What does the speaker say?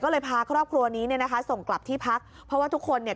ก็เลยพาครอบครัวนี้เนี่ยนะคะส่งกลับที่พักเพราะว่าทุกคนเนี่ย